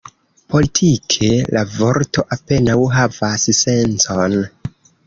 Politike, la vorto apenaŭ havas sencon.